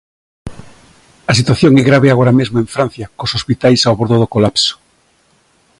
A situación é grave agora mesmo en Francia, cos hospitais ao bordo do colapso.